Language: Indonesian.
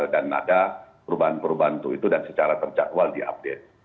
dan ada perubahan perubahan itu dan secara tercadwal diupdate